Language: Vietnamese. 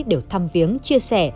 đều thăm viếng chia sẻ